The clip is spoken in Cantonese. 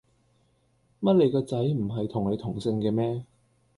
乜你個仔唔係同你同姓嘅咩